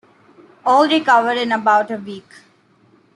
All recovered in about a week.